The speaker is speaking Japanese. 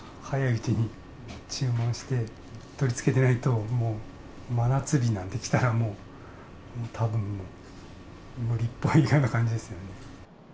早いうちに注文して、取り付けてないと、猛真夏日になんて来たら、もう、たぶん無理っぽい感じですよね。